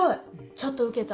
ちょっとウケた。